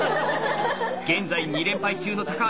現在２連敗中の橋さん。